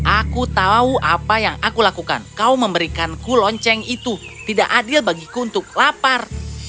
aku tahu apa yang aku lakukan kau memberikanku lonceng itu tidak adil bagiku untuk lapar